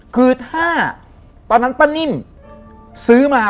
คือถ้าตอนนั้นป้านิ่มซื้อมา